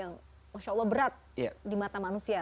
yang berat di mata manusia